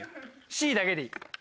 Ｃだけでいい。